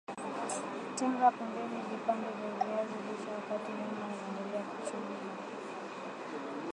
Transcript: Tenga pembeni vipande vya viazi lishe wakati nyama inaendelea kuchemka